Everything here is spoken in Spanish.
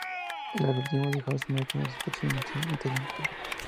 El algoritmo de Gauss-Newton es un procedimiento iterativo.